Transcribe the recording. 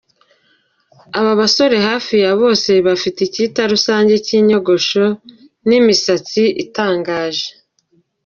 Aba basore hafi ya bose bafite ikita-rusange cy’inyogosho n’imisatsi itangaje.